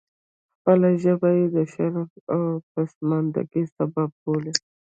خپله ژبه یې د شرم او پسماندګۍ سبب بولي.